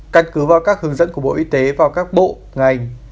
căn cứ vào các hướng dẫn của bộ y tế vào các bộ ngành